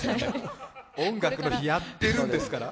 「音楽の日」、やってるんですから！